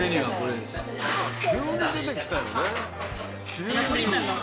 急に出てきたよね。